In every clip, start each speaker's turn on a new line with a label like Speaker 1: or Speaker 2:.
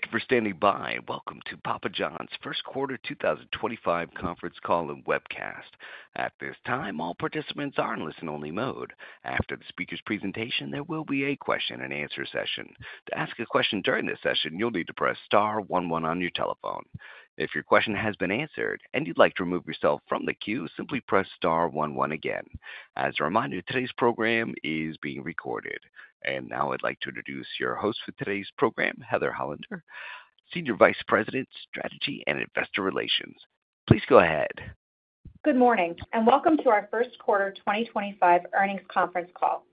Speaker 1: Thank you for standing by. Welcome to Papa Johns First Quarter 2025 Conference Call and Webcast. At this time, all participants are in listen-only mode. After the speaker's presentation, there will be a question-and-answer session. To ask a question during this session, you'll need to press star one one on your telephone. If your question has been answered and you'd like to remove yourself from the queue, simply press star one one again. As a reminder, today's program is being recorded. Now I'd like to introduce your host for today's program, Heather Hollander, Senior Vice President, Strategy and Investor Relations. Please go ahead.
Speaker 2: Good morning and welcome to our First Quarter 2025 Earnings Conference Call.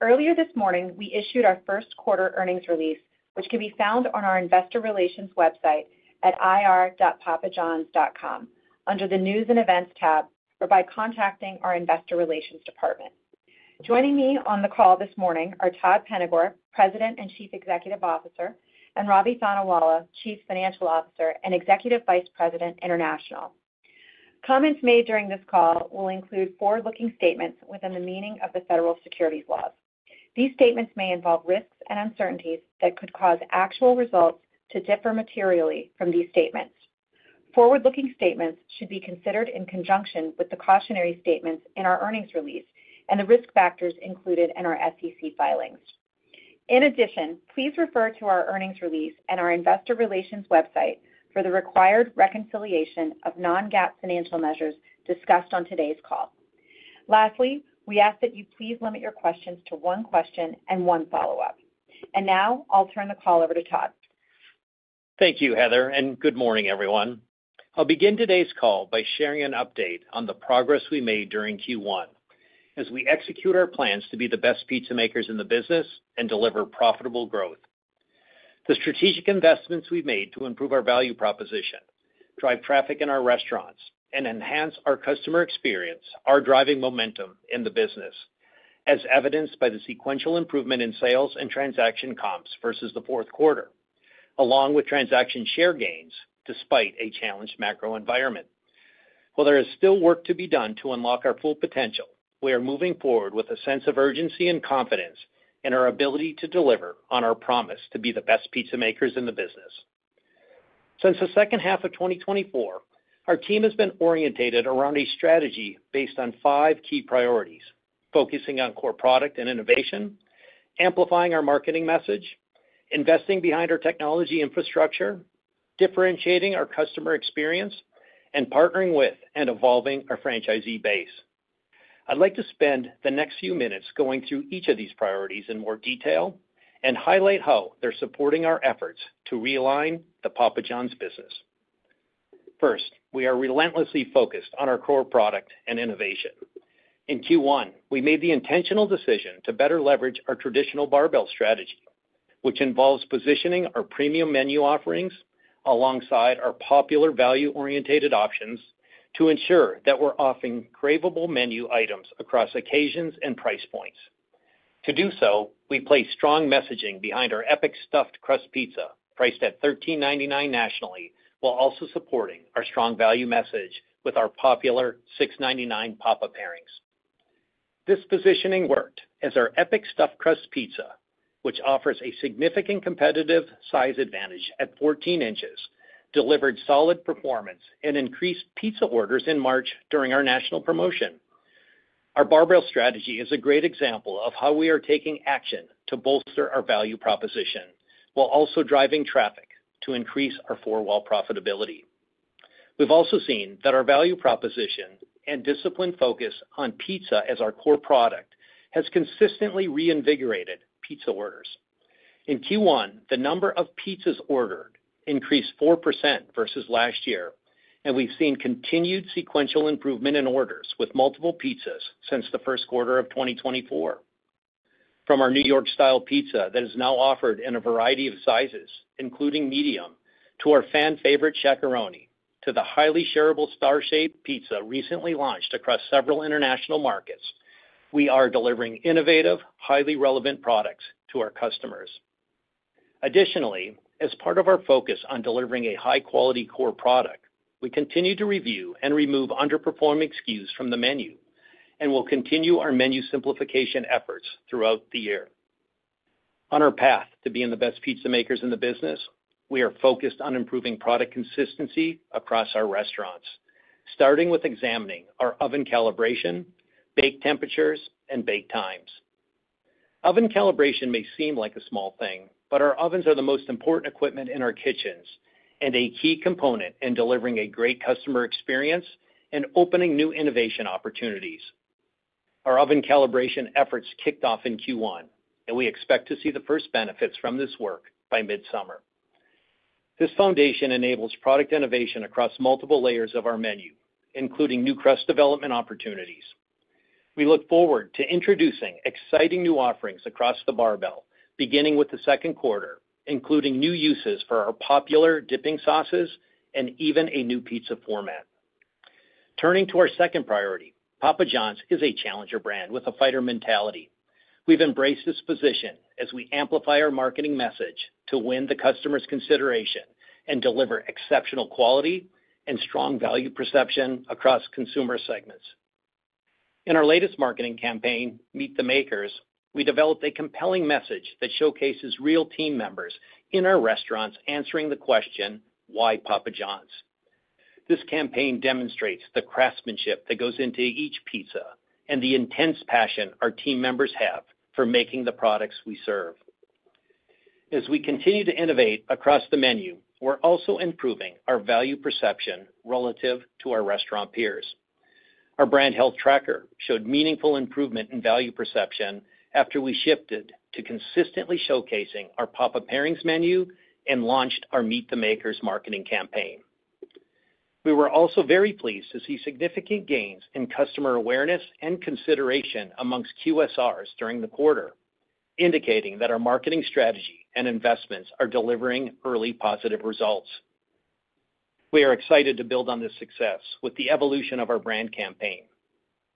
Speaker 2: Earlier this morning, we issued our First Quarter Earnings Release, which can be found on our Investor Relations website at ir.papajohns.com under the News and Events tab or by contacting our Investor Relations Department. Joining me on the call this morning are Todd Penegor, President and Chief Executive Officer, and Ravi Thanawala, Chief Financial Officer and Executive Vice President, International. Comments made during this call will include forward-looking statements within the meaning of the federal securities laws. These statements may involve risks and uncertainties that could cause actual results to differ materially from these statements. Forward-looking statements should be considered in conjunction with the cautionary statements in our earnings release and the risk factors included in our SEC filings. In addition, please refer to our earnings release and our Investor Relations website for the required reconciliation of non-GAAP financial measures discussed on today's call. Lastly, we ask that you please limit your questions to one question and one follow-up. Now I'll turn the call over to Todd.
Speaker 3: Thank you, Heather, and good morning, everyone. I'll begin today's call by sharing an update on the progress we made during Q1 as we execute our plans to be the best pizza makers in the business and deliver profitable growth. The strategic investments we've made to improve our value proposition, drive traffic in our restaurants, and enhance our customer experience are driving momentum in the business, as evidenced by the sequential improvement in sales and transaction comps versus the fourth quarter, along with transaction share gains despite a challenged macro environment. While there is still work to be done to unlock our full potential, we are moving forward with a sense of urgency and confidence in our ability to deliver on our promise to be the best pizza makers in the business. Since the second half of 2024, our team has been orientated around a strategy based on five key priorities, focusing on core product and innovation, amplifying our marketing message, investing behind our technology infrastructure, differentiating our customer experience, and partnering with and evolving our franchisee base. I'd like to spend the next few minutes going through each of these priorities in more detail and highlight how they're supporting our efforts to realign the Papa Johns business. First, we are relentlessly focused on our core product and innovation. In Q1, we made the intentional decision to better leverage our traditional Barbell Strategy, which involves positioning our premium menu offerings alongside our popular value-oriented options to ensure that we're offering craveable menu items across occasions and price points. To do so, we placed strong messaging behind our Epic Stuffed Crust Pizza priced at $13.99 nationally while also supporting our strong value message with our popular $6.99 Papa Pairings. This positioning worked as our Epic Stuffed Crust Pizza, which offers a significant competitive size advantage at 14 inches, delivered solid performance and increased pizza orders in March during our national promotion. Our Barbell Strategy is a great example of how we are taking action to bolster our value proposition while also driving traffic to increase our four-wall profitability. We've also seen that our value proposition and disciplined focus on pizza as our core product has consistently reinvigorated pizza orders. In Q1, the number of pizzas ordered increased 4% versus last year, and we've seen continued sequential improvement in orders with multiple pizzas since the first quarter of 2024. From our New York-style pizza that is now offered in a variety of sizes, including medium, to our fan-favorite Chacharone, to the highly shareable Star-Shaped Pizza recently launched across several international markets, we are delivering innovative, highly relevant products to our customers. Additionally, as part of our focus on delivering a high-quality core product, we continue to review and remove underperforming SKUs from the menu and will continue our menu simplification efforts throughout the year. On our path to being the best pizza makers in the business, we are focused on improving product consistency across our restaurants, starting with examining our oven calibration, bake temperatures, and bake times. Oven calibration may seem like a small thing, but our ovens are the most important equipment in our kitchens and a key component in delivering a great customer experience and opening new innovation opportunities. Our oven calibration efforts kicked off in Q1, and we expect to see the first benefits from this work by mid-summer. This foundation enables product innovation across multiple layers of our menu, including new crust development opportunities. We look forward to introducing exciting new offerings across the barbell, beginning with the second quarter, including new uses for our popular dipping sauces and even a new pizza format. Turning to our second priority, Papa Johns is a challenger brand with a fighter mentality. We've embraced this position as we amplify our marketing message to win the customer's consideration and deliver exceptional quality and strong value perception across consumer segments. In our latest marketing campaign, Meet the Makers, we developed a compelling message that showcases real team members in our restaurants answering the question, "Why Papa Johns?" This campaign demonstrates the craftsmanship that goes into each pizza and the intense passion our team members have for making the products we serve. As we continue to innovate across the menu, we're also improving our value perception relative to our restaurant peers. Our brand health tracker showed meaningful improvement in value perception after we shifted to consistently showcasing our Papa Pairings menu and launched our Meet the Makers marketing campaign. We were also very pleased to see significant gains in customer awareness and consideration amongst QSRs during the quarter, indicating that our marketing strategy and investments are delivering early positive results. We are excited to build on this success with the evolution of our brand campaign.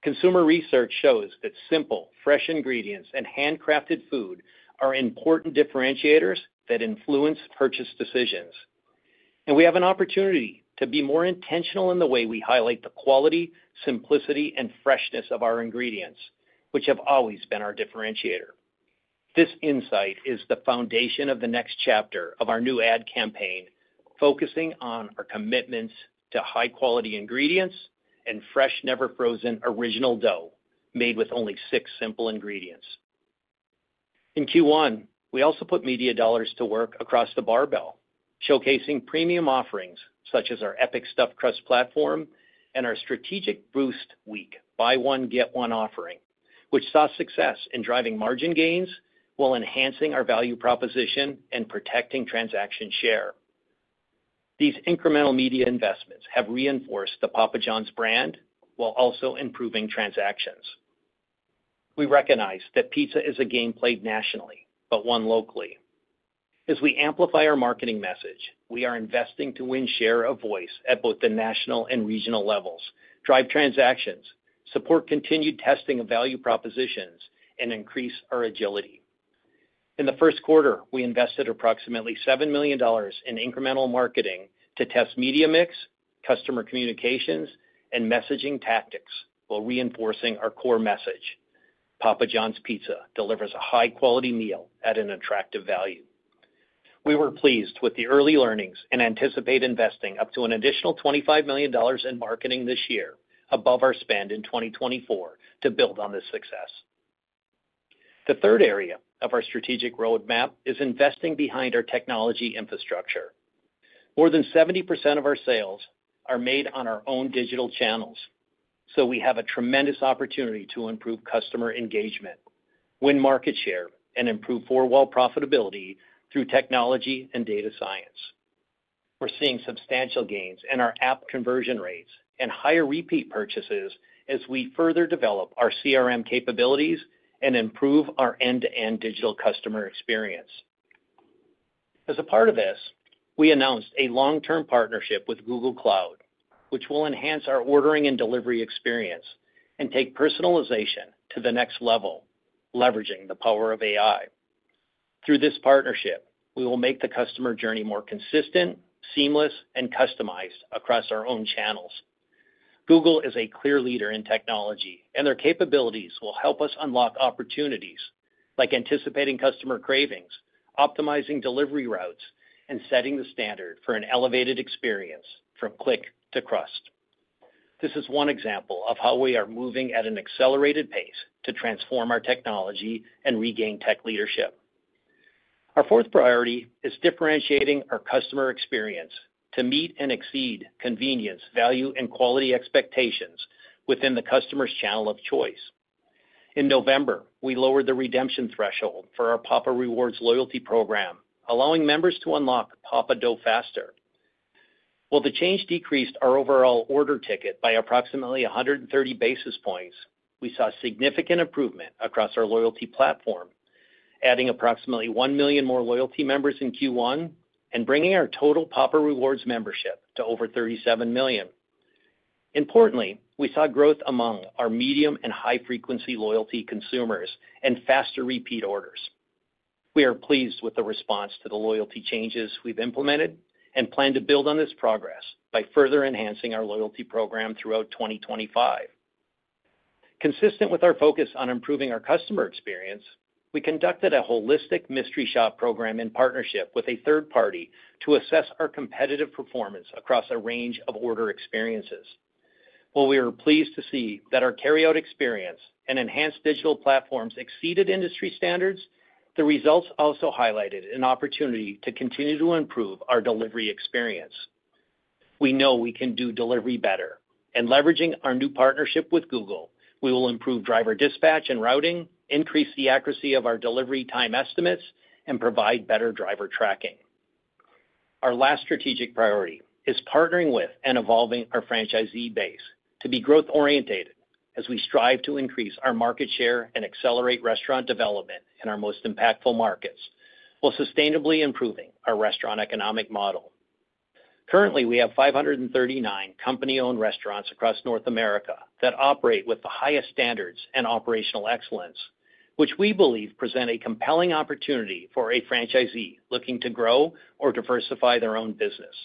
Speaker 3: Consumer research shows that simple, fresh ingredients and handcrafted food are important differentiators that influence purchase decisions. We have an opportunity to be more intentional in the way we highlight the quality, simplicity, and freshness of our ingredients, which have always been our differentiator. This insight is the foundation of the next chapter of our new ad campaign, focusing on our commitments to high-quality ingredients and fresh, never-frozen original dough made with only six simple ingredients. In Q1, we also put media dollars to work across the barbell, showcasing premium offerings such as our Epic Stuffed Crust platform and our strategic Boost Week buy-one-get-one offering, which saw success in driving margin gains while enhancing our value proposition and protecting transaction share. These incremental media investments have reinforced the Papa Johns brand while also improving transactions. We recognize that pizza is a game played nationally, but won locally. As we amplify our marketing message, we are investing to win share of voice at both the national and regional levels, drive transactions, support continued testing of value propositions, and increase our agility. In the first quarter, we invested approximately $7 million in incremental marketing to test media mix, customer communications, and messaging tactics while reinforcing our core message. Papa Johns pizza delivers a high-quality meal at an attractive value. We were pleased with the early learnings and anticipate investing up to an additional $25 million in marketing this year above our spend in 2024 to build on this success. The third area of our strategic roadmap is investing behind our technology infrastructure. More than 70% of our sales are made on our own digital channels, so we have a tremendous opportunity to improve customer engagement, win market share, and improve four-wall profitability through technology and data science. We're seeing substantial gains in our app conversion rates and higher repeat purchases as we further develop our CRM capabilities and improve our end-to-end digital customer experience. As a part of this, we announced a long-term partnership with Google Cloud, which will enhance our ordering and delivery experience and take personalization to the next level, leveraging the power of AI. Through this partnership, we will make the customer journey more consistent, seamless, and customized across our own channels. Google is a clear leader in technology, and their capabilities will help us unlock opportunities like anticipating customer cravings, optimizing delivery routes, and setting the standard for an elevated experience from click to crust. This is one example of how we are moving at an accelerated pace to transform our technology and regain tech leadership. Our fourth priority is differentiating our customer experience to meet and exceed convenience, value, and quality expectations within the customer's channel of choice. In November, we lowered the redemption threshold for our Papa Rewards Loyalty Program, allowing members to unlock Papa Dough faster. While the change decreased our overall order ticket by approximately 130 basis points, we saw significant improvement across our loyalty platform, adding approximately 1 million more loyalty members in Q1 and bringing our total Papa Rewards membership to over 37 million. Importantly, we saw growth among our medium and high-frequency loyalty consumers and faster repeat orders. We are pleased with the response to the loyalty changes we've implemented and plan to build on this progress by further enhancing our loyalty program throughout 2025. Consistent with our focus on improving our customer experience, we conducted a holistic mystery shop program in partnership with a third party to assess our competitive performance across a range of order experiences. While we are pleased to see that our carry-out experience and enhanced digital platforms exceeded industry standards, the results also highlighted an opportunity to continue to improve our delivery experience. We know we can do delivery better, and leveraging our new partnership with Google Cloud, we will improve driver dispatch and routing, increase the accuracy of our delivery time estimates, and provide better driver tracking. Our last strategic priority is partnering with and evolving our franchisee base to be growth-oriented as we strive to increase our market share and accelerate restaurant development in our most impactful markets while sustainably improving our restaurant economic model. Currently, we have 539 company-owned restaurants across North America that operate with the highest standards and operational excellence, which we believe present a compelling opportunity for a franchisee looking to grow or diversify their own business.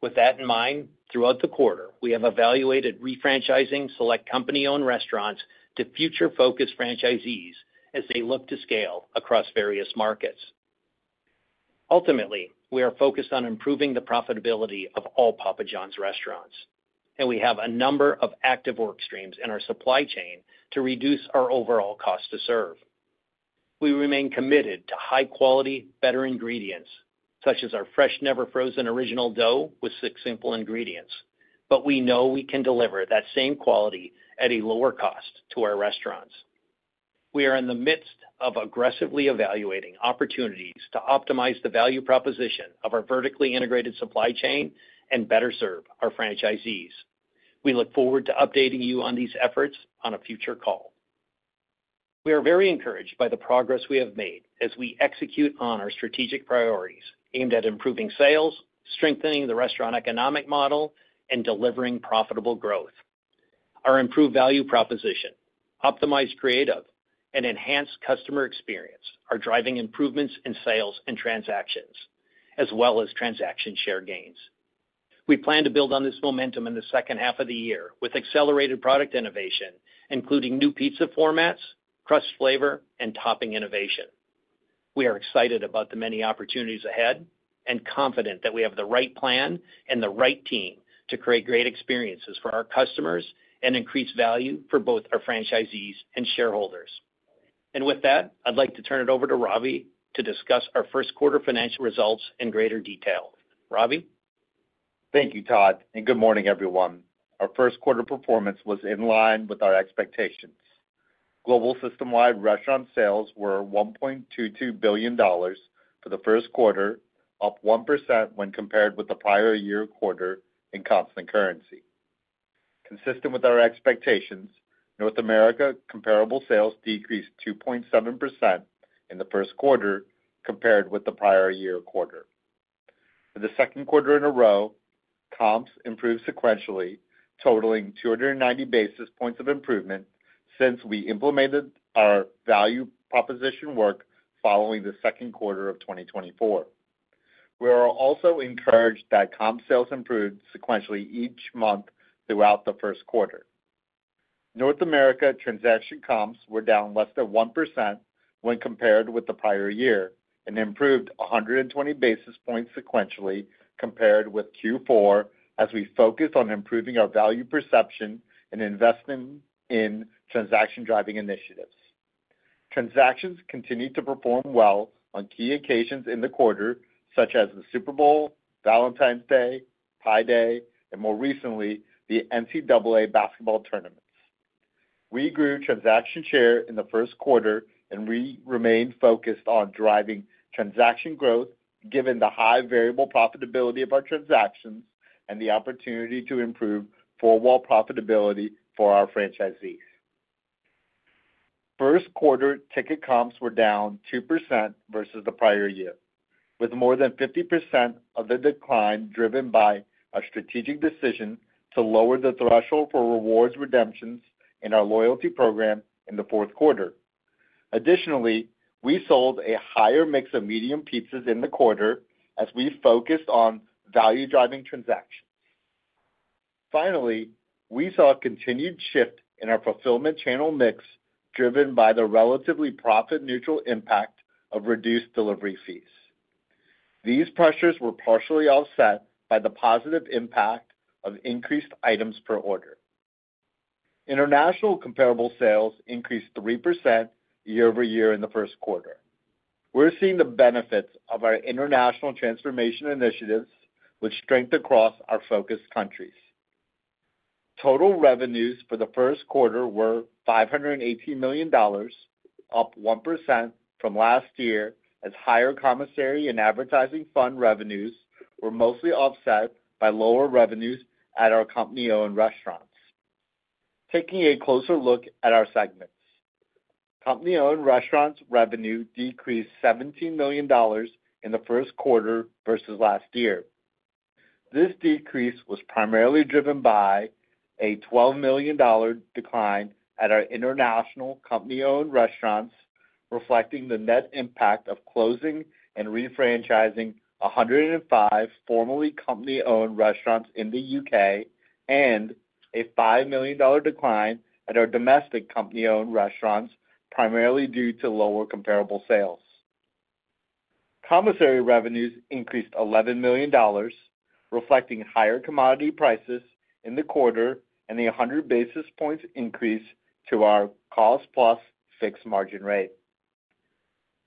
Speaker 3: With that in mind, throughout the quarter, we have evaluated re-franchising select company-owned restaurants to future-focused franchisees as they look to scale across various markets. Ultimately, we are focused on improving the profitability of all Papa Johns restaurants, and we have a number of active work streams in our supply chain to reduce our overall cost to serve. We remain committed to high-quality, better ingredients, such as our fresh, never-frozen original dough with six simple ingredients, but we know we can deliver that same quality at a lower cost to our restaurants. We are in the midst of aggressively evaluating opportunities to optimize the value proposition of our vertically integrated supply chain and better serve our franchisees. We look forward to updating you on these efforts on a future call. We are very encouraged by the progress we have made as we execute on our strategic priorities aimed at improving sales, strengthening the restaurant economic model, and delivering profitable growth. Our improved value proposition, optimized creative, and enhanced customer experience are driving improvements in sales and transactions, as well as transaction share gains. We plan to build on this momentum in the second half of the year with accelerated product innovation, including new pizza formats, crust flavor, and topping innovation. We are excited about the many opportunities ahead and confident that we have the right plan and the right team to create great experiences for our customers and increase value for both our franchisees and shareholders. With that, I'd like to turn it over to Ravi to discuss our first quarter financial results in greater detail. Ravi?
Speaker 4: Thank you, Todd. Good morning, everyone. Our first quarter performance was in line with our expectations. Global system-wide restaurant sales were $1.22 billion for the first quarter, up 1% when compared with the prior year quarter in constant currency. Consistent with our expectations, North America comparable sales decreased 2.7% in the first quarter compared with the prior year quarter. For the second quarter in a row, comps improved sequentially, totaling 290 basis points of improvement since we implemented our value proposition work following the second quarter of 2024. We are also encouraged that comp sales improved sequentially each month throughout the first quarter. North America transaction comps were down less than 1% when compared with the prior year and improved 120 basis points sequentially compared with Q4 as we focused on improving our value perception and investing in transaction-driving initiatives. Transactions continued to perform well on key occasions in the quarter, such as the Super Bowl, Valentine's Day, Pi Day, and more recently, the NCAA basketball tournaments. We grew transaction share in the first quarter and remained focused on driving transaction growth given the high variable profitability of our transactions and the opportunity to improve four-wall profitability for our franchisees. First quarter ticket comps were down 2% versus the prior year, with more than 50% of the decline driven by our strategic decision to lower the threshold for rewards redemptions in our loyalty program in the fourth quarter. Additionally, we sold a higher mix of medium pizzas in the quarter as we focused on value-driving transactions. Finally, we saw a continued shift in our fulfillment channel mix driven by the relatively profit-neutral impact of reduced delivery fees. These pressures were partially offset by the positive impact of increased items per order. International comparable sales increased 3% year-over-year in the first quarter. We're seeing the benefits of our international transformation initiatives, which strengthened across our focus countries. Total revenues for the first quarter were $518 million, up 1% from last year as higher commissary and advertising fund revenues were mostly offset by lower revenues at our company-owned restaurants. Taking a closer look at our segments, company-owned restaurants' revenue decreased $17 million in the first quarter versus last year. This decrease was primarily driven by a $12 million decline at our international company-owned restaurants, reflecting the net impact of closing and re-franchising 105 formerly company-owned restaurants in the U.K. and a $5 million decline at our domestic company-owned restaurants, primarily due to lower comparable sales. Commissary revenues increased $11 million, reflecting higher commodity prices in the quarter and a 100 basis points increase to our cost-plus fixed margin rate.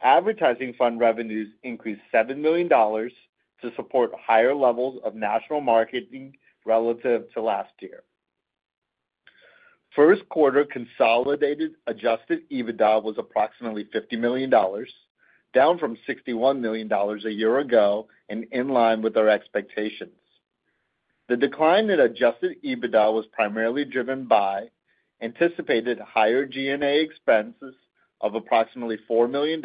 Speaker 4: Advertising fund revenues increased $7 million to support higher levels of national marketing relative to last year. First quarter consolidated adjusted EBITDA was approximately $50 million, down from $61 million a year ago and in line with our expectations. The decline in adjusted EBITDA was primarily driven by anticipated higher G&A expenses of approximately $4 million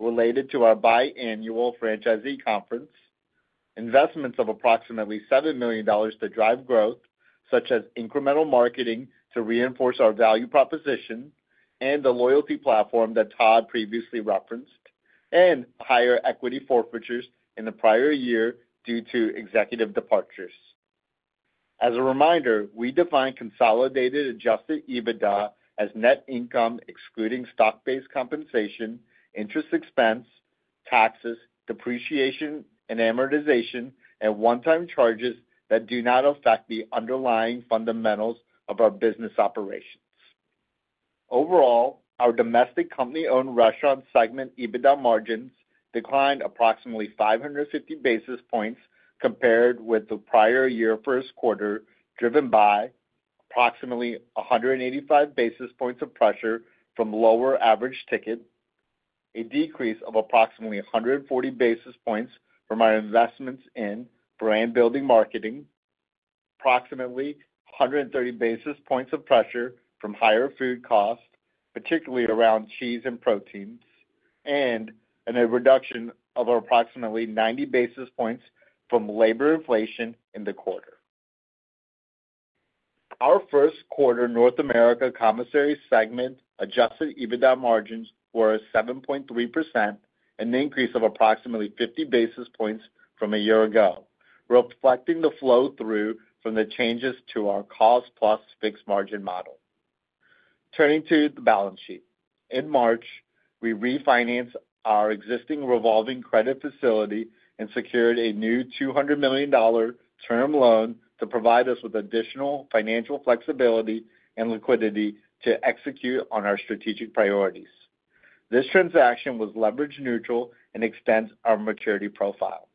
Speaker 4: related to our biannual franchisee conference, investments of approximately $7 million to drive growth, such as incremental marketing to reinforce our value proposition and the loyalty platform that Todd previously referenced, and higher equity forfeitures in the prior year due to executive departures. As a reminder, we define consolidated adjusted EBITDA as net income excluding stock-based compensation, interest expense, taxes, depreciation and amortization, and one-time charges that do not affect the underlying fundamentals of our business operations. Overall, our domestic company-owned restaurant segment EBITDA margins declined approximately 550 basis points compared with the prior year first quarter, driven by approximately 185 basis points of pressure from lower average ticket, a decrease of approximately 140 basis points from our investments in brand-building marketing, approximately 130 basis points of pressure from higher food costs, particularly around cheese and proteins, and a reduction of approximately 90 basis points from labor inflation in the quarter. Our first quarter North America commissary segment adjusted EBITDA margins were 7.3%, an increase of approximately 50 basis points from a year ago, reflecting the flow through from the changes to our cost-plus fixed margin model. Turning to the balance sheet, in March, we refinanced our existing revolving credit facility and secured a new $200 million term loan to provide us with additional financial flexibility and liquidity to execute on our strategic priorities. This transaction was leverage neutral and extends our maturity profile.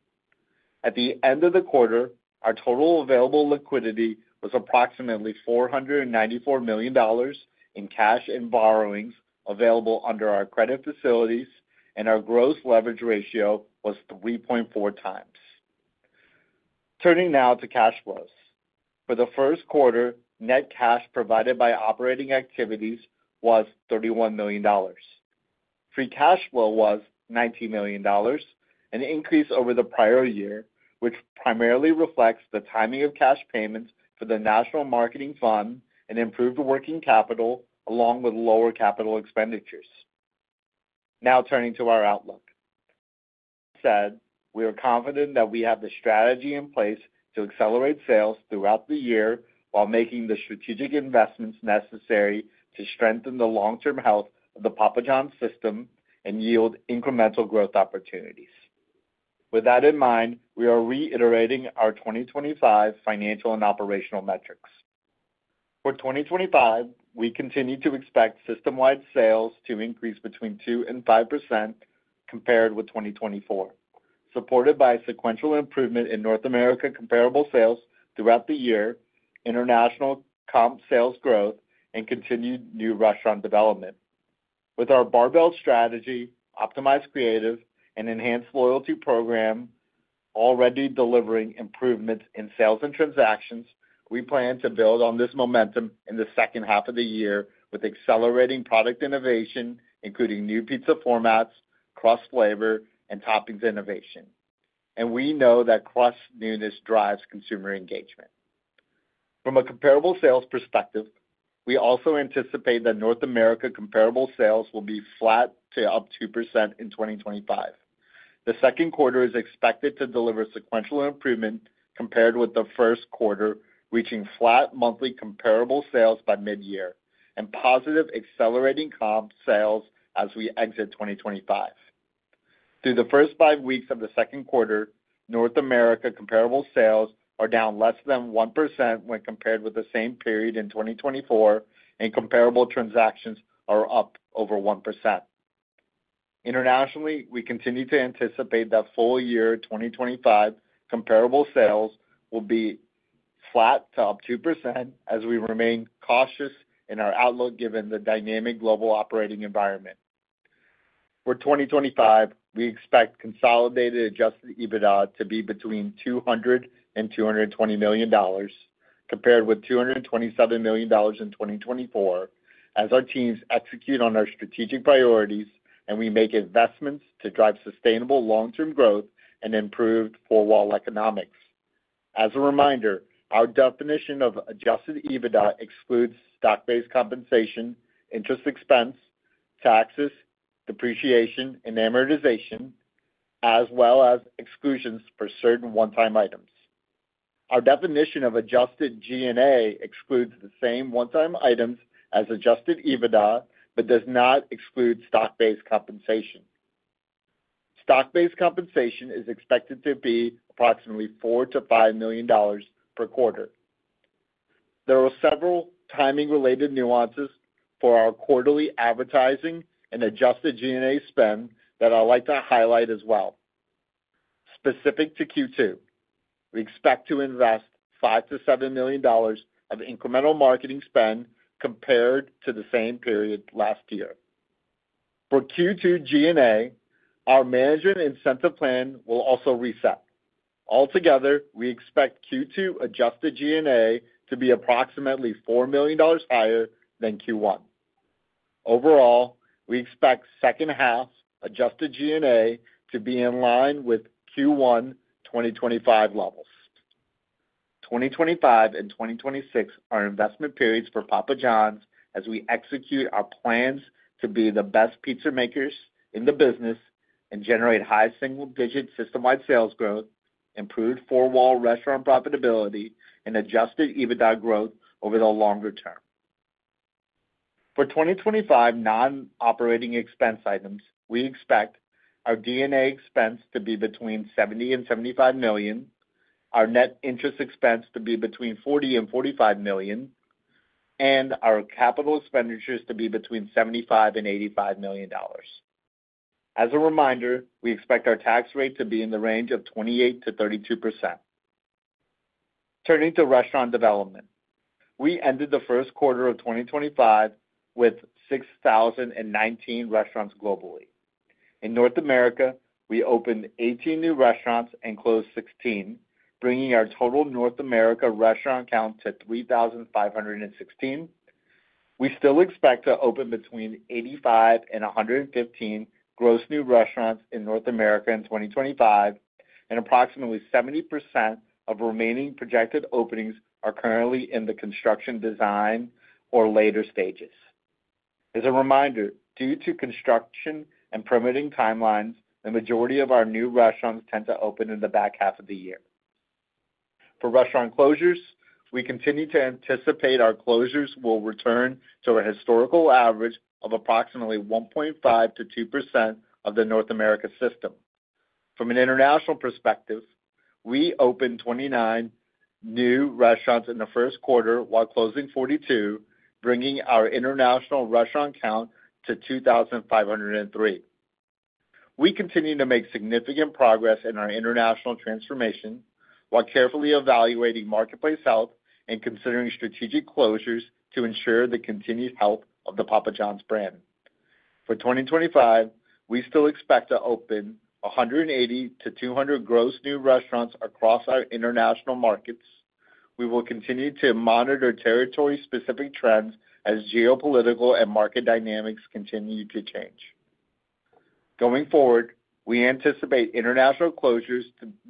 Speaker 4: At the end of the quarter, our total available liquidity was approximately $494 million in cash and borrowings available under our credit facilities, and our gross leverage ratio was 3.4x. Turning now to cash flows. For the first quarter, net cash provided by operating activities was $31 million. Free cash flow was $19 million, an increase over the prior year, which primarily reflects the timing of cash payments for the national marketing fund and improved working capital along with lower capital expenditures. Now turning to our outlook. Said, we are confident that we have the strategy in place to accelerate sales throughout the year while making the strategic investments necessary to strengthen the long-term health of the Papa Johns system and yield incremental growth opportunities. With that in mind, we are reiterating our 2025 financial and operational metrics. For 2025, we continue to expect system-wide sales to increase between 2% and 5% compared with 2024, supported by sequential improvement in North America comparable sales throughout the year, international comp sales growth, and continued new restaurant development. With our Barbell Strategy, optimized creative, and enhanced loyalty program, already delivering improvements in sales and transactions, we plan to build on this momentum in the second half of the year with accelerating product innovation, including new pizza formats, crust flavor, and toppings innovation. We know that crust newness drives consumer engagement. From a comparable sales perspective, we also anticipate that North America comparable sales will be flat to up 2% in 2025. The second quarter is expected to deliver sequential improvement compared with the first quarter, reaching flat monthly comparable sales by mid-year and positive accelerating comp sales as we exit 2025. Through the first five weeks of the second quarter, North America comparable sales are down less than 1% when compared with the same period in 2024, and comparable transactions are up over 1%. Internationally, we continue to anticipate that full year 2025 comparable sales will be flat to up 2% as we remain cautious in our outlook given the dynamic global operating environment. For 2025, we expect consolidated adjusted EBITDA to be between $200 million-$220 million compared with $227 million in 2024 as our teams execute on our strategic priorities and we make investments to drive sustainable long-term growth and improved four-wall economics. As a reminder, our definition of adjusted EBITDA excludes stock-based compensation, interest expense, taxes, depreciation, and amortization, as well as exclusions for certain one-time items. Our definition of adjusted G&A excludes the same one-time items as adjusted EBITDA but does not exclude stock-based compensation. Stock-based compensation is expected to be approximately $4 million-$5 million per quarter. There are several timing-related nuances for our quarterly advertising and adjusted G&A spend that I'd like to highlight as well. Specific to Q2, we expect to invest $5 million-$7 million of incremental marketing spend compared to the same period last year. For Q2 G&A, our management incentive plan will also reset. Altogether, we expect Q2 adjusted G&A to be approximately $4 million higher than Q1. Overall, we expect second half adjusted G&A to be in line with Q1 2025 levels. 2025 and 2026 are investment periods for Papa Johns as we execute our plans to be the best pizza makers in the business and generate high single-digit system-wide sales growth, improved four-wall restaurant profitability, and adjusted EBITDA growth over the longer term. For 2025 non-operating expense items, we expect our G&A expense to be between $70 million and $75 million, our net interest expense to be between $40 million and $45 million, and our capital expenditures to be between $75 million and $85 million. As a reminder, we expect our tax rate to be in the range of 28%-32%. Turning to restaurant development, we ended the first quarter of 2025 with 6,019 restaurants globally. In North America, we opened 18 new restaurants and closed 16, bringing our total North America restaurant count to 3,516. We still expect to open between 85 and 115 gross new restaurants in North America in 2025, and approximately 70% of remaining projected openings are currently in the construction design or later stages. As a reminder, due to construction and permitting timelines, the majority of our new restaurants tend to open in the back half of the year. For restaurant closures, we continue to anticipate our closures will return to a historical average of approximately 1.5-2% of the North America system. From an international perspective, we opened 29 new restaurants in the first quarter while closing 42, bringing our international restaurant count to 2,503. We continue to make significant progress in our international transformation while carefully evaluating marketplace health and considering strategic closures to ensure the continued health of the Papa Johns brand. For 2025, we still expect to open 180-200 gross new restaurants across our international markets. We will continue to monitor territory-specific trends as geopolitical and market dynamics continue to change. Going forward, we anticipate international closures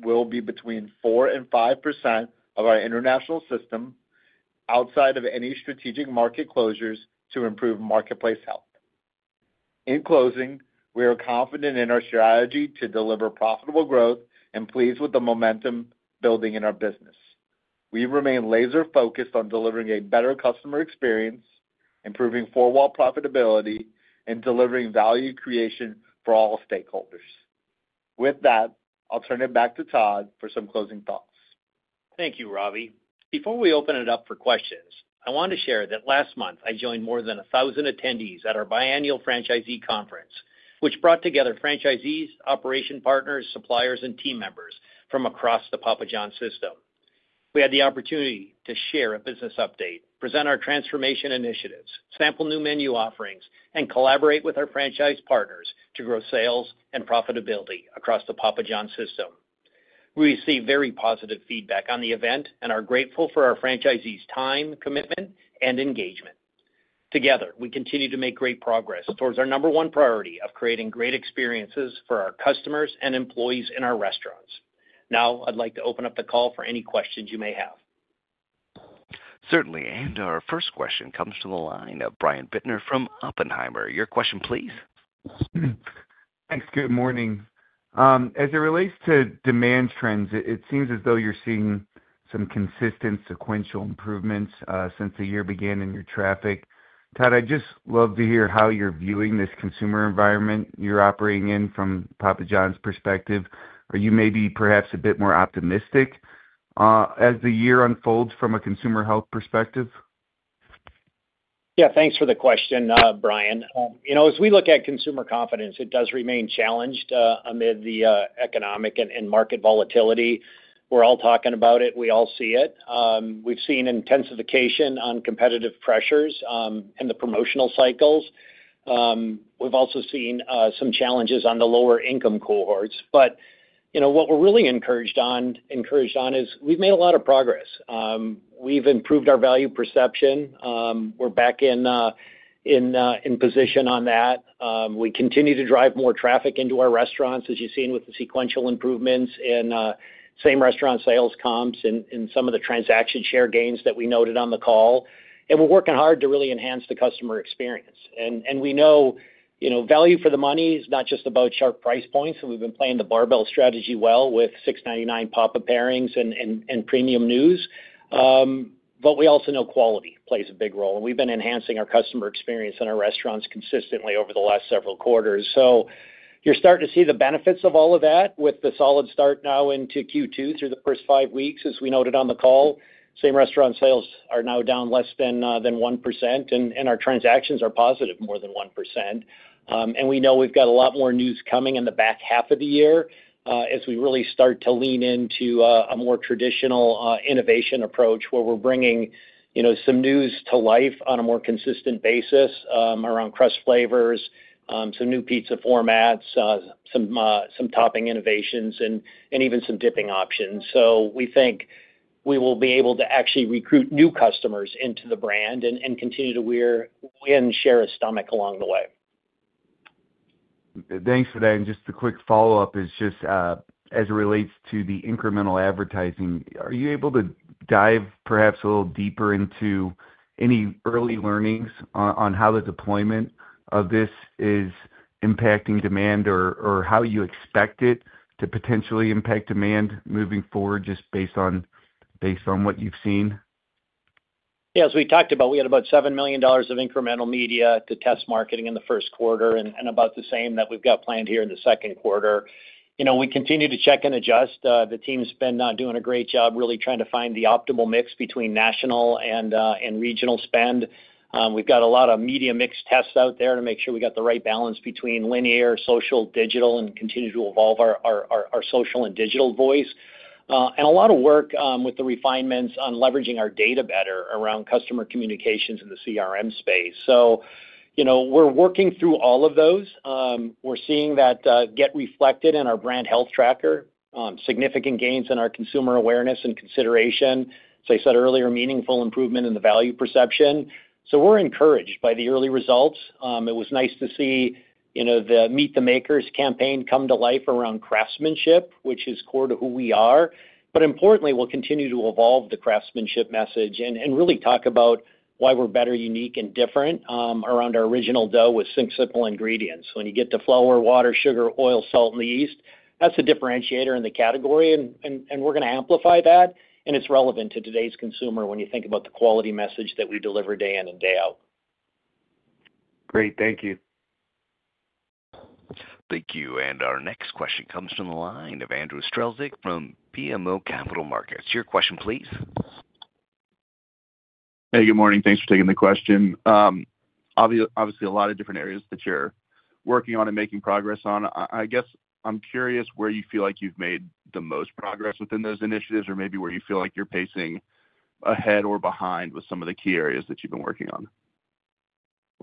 Speaker 4: will be between 4%-5% of our international system outside of any strategic market closures to improve marketplace health. In closing, we are confident in our strategy to deliver profitable growth and pleased with the momentum building in our business. We remain laser-focused on delivering a better customer experience, improving four-wall profitability, and delivering value creation for all stakeholders. With that, I'll turn it back to Todd for some closing thoughts.
Speaker 3: Thank you, Ravi. Before we open it up for questions, I want to share that last month, I joined more than 1,000 attendees at our biannual franchisee conference, which brought together franchisees, operation partners, suppliers, and team members from across the Papa Johns system. We had the opportunity to share a business update, present our transformation initiatives, sample new menu offerings, and collaborate with our franchise partners to grow sales and profitability across the Papa Johns system. We received very positive feedback on the event and are grateful for our franchisees' time, commitment, and engagement. Together, we continue to make great progress towards our number one priority of creating great experiences for our customers and employees in our restaurants. Now, I'd like to open up the call for any questions you may have.
Speaker 1: Certainly. Our first question comes from the line of Brian Bittner from Oppenheimer. Your question, please.
Speaker 5: Thanks. Good morning. As it relates to demand trends, it seems as though you're seeing some consistent sequential improvements since the year began in your traffic. Todd, I'd just love to hear how you're viewing this consumer environment you're operating in from Papa Johns perspective. Are you maybe perhaps a bit more optimistic as the year unfolds from a consumer health perspective?
Speaker 3: Yeah. Thanks for the question, Brian. As we look at consumer confidence, it does remain challenged amid the economic and market volatility. We're all talking about it. We all see it. We've seen intensification on competitive pressures and the promotional cycles. We've also seen some challenges on the lower-income cohorts. What we're really encouraged on is we've made a lot of progress. We've improved our value perception. We're back in position on that. We continue to drive more traffic into our restaurants, as you've seen with the sequential improvements in same restaurant sales comps and some of the transaction share gains that we noted on the call. We're working hard to really enhance the customer experience. We know value for the money is not just about sharp price points. We've been playing the Barbell Strategy well with $6.99 Papa Pairings and Premium News. We also know quality plays a big role. We've been enhancing our customer experience in our restaurants consistently over the last several quarters. You're starting to see the benefits of all of that with the solid start now into Q2 through the first five weeks, as we noted on the call. Same restaurant sales are now down less than 1%, and our transactions are positive more than 1%. We know we've got a lot more news coming in the back half of the year as we really start to lean into a more traditional innovation approach where we're bringing some news to life on a more consistent basis around crust flavors, some new pizza formats, some topping innovations, and even some dipping options. We think we will be able to actually recruit new customers into the brand and continue to win share of stomach along the way.
Speaker 5: Thanks for that. Just a quick follow-up is just as it relates to the incremental advertising, are you able to dive perhaps a little deeper into any early learnings on how the deployment of this is impacting demand or how you expect it to potentially impact demand moving forward just based on what you've seen?
Speaker 3: Yeah. As we talked about, we had about $7 million of incremental media to test marketing in the first quarter and about the same that we've got planned here in the second quarter. We continue to check and adjust. The team's been doing a great job really trying to find the optimal mix between national and regional spend. We've got a lot of media mix tests out there to make sure we got the right balance between linear, social, digital, and continue to evolve our social and digital voice. A lot of work with the refinements on leveraging our data better around customer communications in the CRM space. We are working through all of those. We are seeing that get reflected in our brand health tracker, significant gains in our consumer awareness and consideration. As I said earlier, meaningful improvement in the value perception. We are encouraged by the early results. It was nice to see the Meet the Makers campaign come to life around craftsmanship, which is core to who we are. Importantly, we will continue to evolve the craftsmanship message and really talk about why we are better, unique, and different around our original dough with simple ingredients. When you get the flour, water, sugar, oil, salt, and the yeast, that is a differentiator in the category. We are going to amplify that. It's relevant to today's consumer when you think about the quality message that we deliver day in and day out.
Speaker 5: Great. Thank you.
Speaker 1: Thank you. Our next question comes from the line of Andrew Strelzik from BMO Capital Markets. Your question, please.
Speaker 6: Hey, good morning. Thanks for taking the question. Obviously, a lot of different areas that you're working on and making progress on. I guess I'm curious where you feel like you've made the most progress within those initiatives or maybe where you feel like you're pacing ahead or behind with some of the key areas that you've been working on.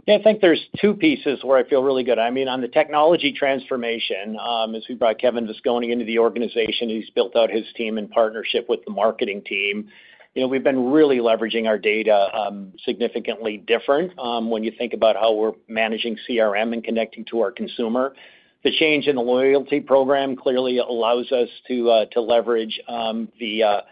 Speaker 3: Yeah. I think there's two pieces where I feel really good. I mean, on the technology transformation, as we brought Kevin Viscone into the organization, he's built out his team in partnership with the marketing team. We've been really leveraging our data significantly different when you think about how we're managing CRM and connecting to our consumer. The change in the loyalty program clearly allows us to leverage the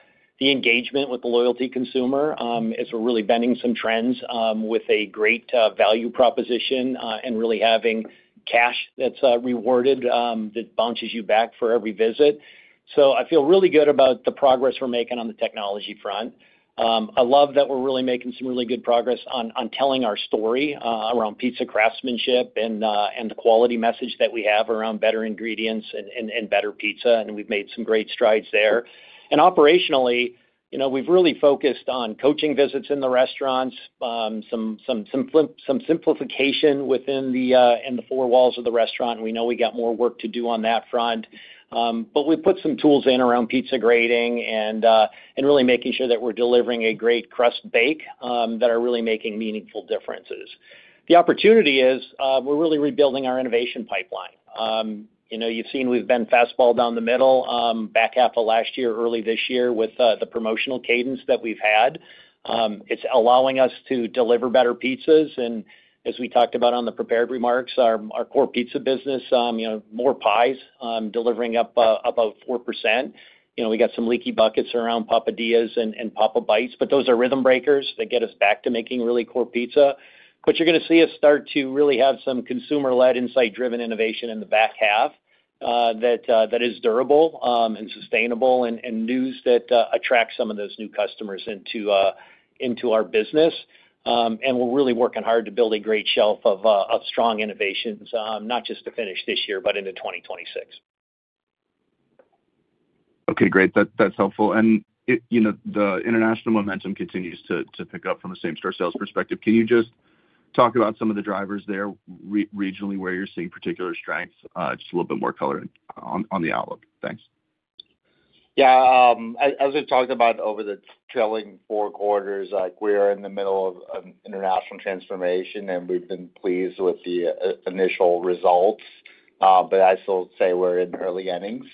Speaker 3: engagement with the loyalty consumer as we're really bending some trends with a great value proposition and really having cash that's rewarded that bounces you back for every visit. I feel really good about the progress we're making on the technology front. I love that we're really making some really good progress on telling our story around pizza craftsmanship and the quality message that we have around better ingredients and better pizza. We've made some great strides there. Operationally, we've really focused on coaching visits in the restaurants, some simplification within the four walls of the restaurant. We know we got more work to do on that front. We put some tools in around pizza grading and really making sure that we're delivering a great crust bake that are really making meaningful differences. The opportunity is we're really rebuilding our innovation pipeline. You've seen we've been fastballed down the middle back half of last year, early this year with the promotional cadence that we've had. It's allowing us to deliver better pizzas. As we talked about on the prepared remarks, our core pizza business, more pies, delivering up about 4%. We got some leaky buckets around Papa Dias and Papa Bites. Those are rhythm breakers. They get us back to making really core pizza. You're going to see us start to really have some consumer-led, insight-driven innovation in the back half that is durable and sustainable and news that attracts some of those new customers into our business. We're really working hard to build a great shelf of strong innovations, not just to finish this year, but into 2026. Okay.
Speaker 6: Great. That's helpful. The international momentum continues to pick up from the same store sales perspective. Can you just talk about some of the drivers there regionally where you're seeing particular strengths, just a little bit more color on the outlook? Thanks.
Speaker 4: Yeah. As we've talked about over the trailing four quarters, we are in the middle of an international transformation, and we've been pleased with the initial results. I still say we're in early innings.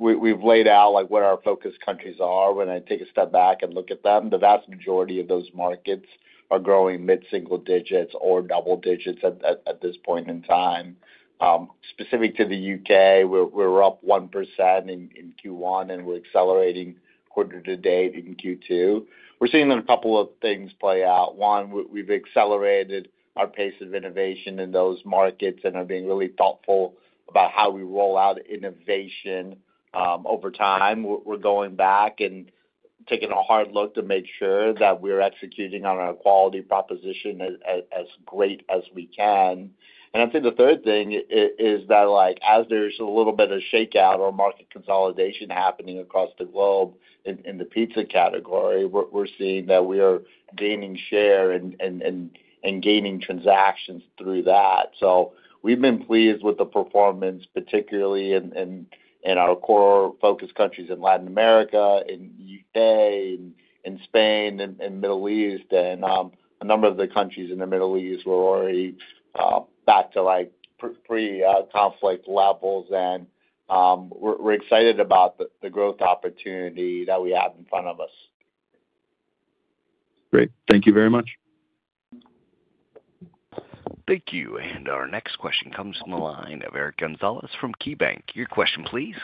Speaker 4: We've laid out what our focus countries are. When I take a step back and look at them, the vast majority of those markets are growing mid-single digits or double digits at this point in time. Specific to the U.K., we're up 1% in Q1, and we're accelerating quarter to date in Q2. We're seeing a couple of things play out. One, we've accelerated our pace of innovation in those markets and are being really thoughtful about how we roll out innovation over time. We're going back and taking a hard look to make sure that we're executing on our quality proposition as great as we can. I think the third thing is that as there's a little bit of shakeout or market consolidation happening across the globe in the pizza category, we're seeing that we are gaining share and gaining transactions through that. We've been pleased with the performance, particularly in our core focus countries in Latin America, in the U.K., in Spain, and Middle East. A number of the countries in the Middle East were already back to pre-conflict levels. We're excited about the growth opportunity that we have in front of us.
Speaker 6: Great. Thank you very much.
Speaker 1: Thank you. Our next question comes from the line of Eric Gonzalez from KeyBank. Your question, please.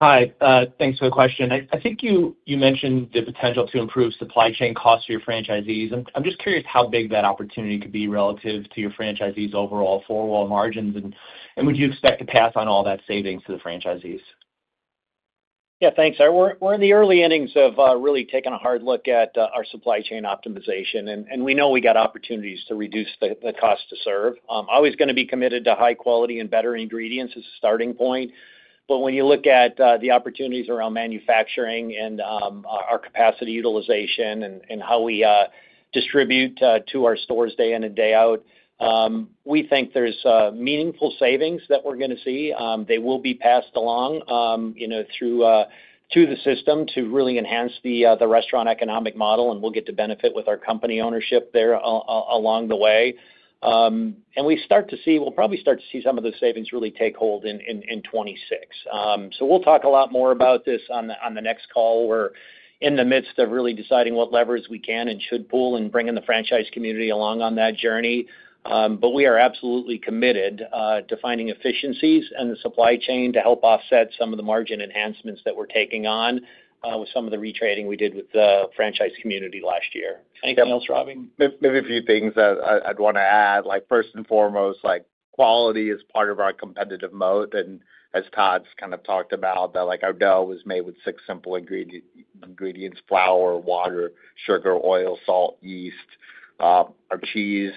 Speaker 7: Hi. Thanks for the question. I think you mentioned the potential to improve supply chain costs for your franchisees. I'm just curious how big that opportunity could be relative to your franchisees' overall four-wall margins, and would you expect to pass on all that savings to the franchisees?
Speaker 3: Yeah. Thanks. We're in the early innings of really taking a hard look at our supply chain optimization. We know we got opportunities to reduce the cost to serve. I'm always going to be committed to high quality and better ingredients as a starting point. When you look at the opportunities around manufacturing and our capacity utilization and how we distribute to our stores day in and day out, we think there are meaningful savings that we are going to see. They will be passed along through the system to really enhance the restaurant economic model. We will get to benefit with our company ownership there along the way. We will probably start to see some of those savings really take hold in 2026. We will talk a lot more about this on the next call. We are in the midst of really deciding what levers we can and should pull and bringing the franchise community along on that journey. We are absolutely committed to finding efficiencies in the supply chain to help offset some of the margin enhancements that we are taking on with some of the retraining we did with the franchise community last year. Anything else, Ravi?
Speaker 4: Maybe a few things I'd want to add. First and foremost, quality is part of our competitive moat. As Todd's kind of talked about, our dough is made with six simple ingredients: flour, water, sugar, oil, salt, yeast. Our cheese